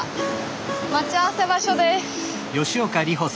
待ち合わせ場所です。